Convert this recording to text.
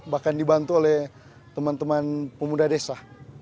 bahkan dibantu oleh teman teman pemuda desa